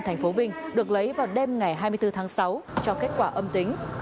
thành phố vinh được lấy vào đêm ngày hai mươi bốn tháng sáu cho kết quả âm tính